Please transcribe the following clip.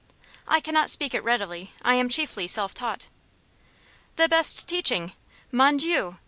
"I cannot speak it readily; I am chiefly self taught." "The best teaching. Mon dieu!